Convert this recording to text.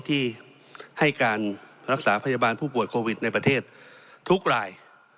ที่ให้การรักษาพยาบาลผู้ป่วยโควิดในประเทศทุกราย